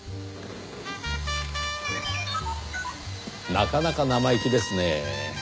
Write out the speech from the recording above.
なかなか生意気ですねぇ。